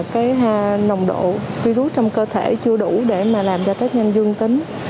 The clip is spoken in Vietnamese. cái nồng độ virus trong cơ thể chưa đủ để mà làm ra tết nhanh dương tính